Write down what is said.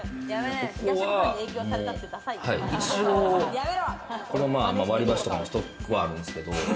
ここは、一応、割り箸とかのストックはあるんですけど。